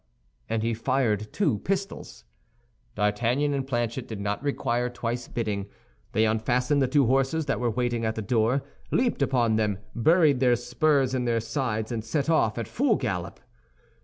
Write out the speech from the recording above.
and he fired two pistols. D'Artagnan and Planchet did not require twice bidding; they unfastened the two horses that were waiting at the door, leaped upon them, buried their spurs in their sides, and set off at full gallop.